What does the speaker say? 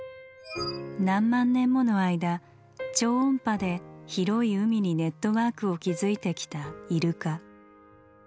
何万年もの間超音波で広い海にネットワークを築いてきたイルカ。